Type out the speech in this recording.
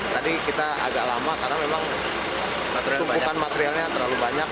tadi kita agak lama karena memang bukan materialnya terlalu banyak